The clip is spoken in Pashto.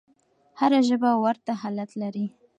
هره ژبه ورته حالت لري.